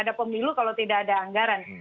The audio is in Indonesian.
ada pemilu kalau tidak ada anggaran